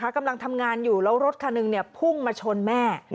กำลังทำงานอยู่แล้วรถคันหนึ่งพุ่งมาชนแม่